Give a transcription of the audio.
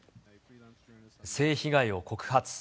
性被害を告発。